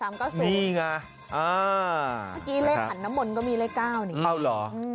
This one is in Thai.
เมื่อกี้เลขหันน้ำมนต์ก็มีเก้าเนี่ยเอ้าเหรอ